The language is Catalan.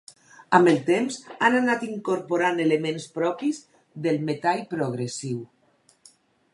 Amb el temps han anat incorporant elements propis del metall progressiu.